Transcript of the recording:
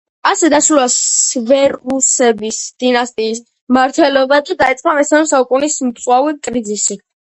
ასე დასრულდა სევერუსების დინასტიის მმართველობა და დაიწყო მესამე საუკუნის მწვავე კრიზისი.